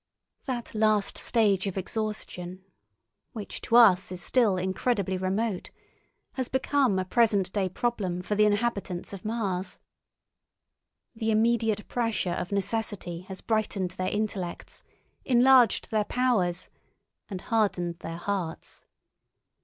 That last stage of exhaustion, which to us is still incredibly remote, has become a present day problem for the inhabitants of Mars. The immediate pressure of necessity has brightened their intellects, enlarged their powers, and hardened their hearts.